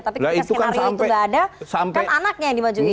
tapi itu kan skenario itu enggak ada kan anaknya yang dimacuikan